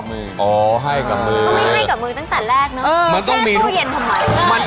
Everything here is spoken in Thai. เดี๋ยวใส่ตอนเรากเนี่ย